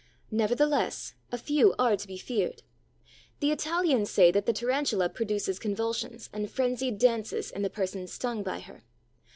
Nevertheless, a few are to be feared. The Italians say that the Tarantula produces convulsions and frenzied dances in the person stung by her.